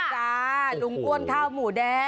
จ้าลุงอ้วนข้าวหมูแดง